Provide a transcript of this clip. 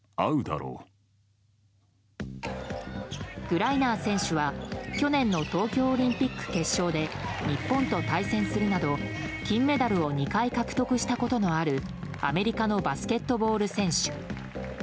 グライナー選手は去年の東京オリンピック決勝で日本と対戦するなど金メダルを２回獲得したことのあるアメリカのバスケットボール選手。